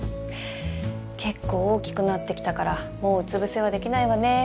結構大きくなってきたからもううつ伏せはできないわね